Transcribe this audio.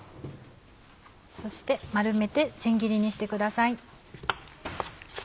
そして丸めて千切りにしてください。